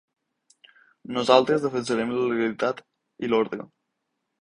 Nosaltres defensarem la legalitat i l’ordre.